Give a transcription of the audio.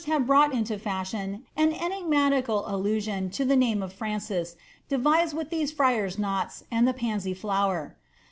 had brought into fashion an enigmatical allnnoa to tht name of Francis, devised with these friars' knots and the puisy flower.